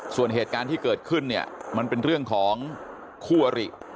ส่วนเหตุการณ์ที่เกิดขึ้นเนี่ยมันเป็นเรื่องของคู่อริ